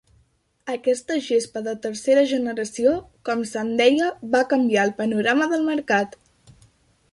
Aquesta gespa de tercera generació, com se'n deia, va canviar el panorama del mercat.